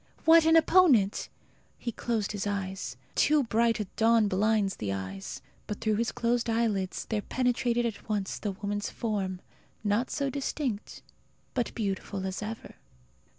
What an opponent! He closed his eyes. Too bright a dawn blinds the eyes. But through his closed eyelids there penetrated at once the woman's form not so distinct, but beautiful as ever.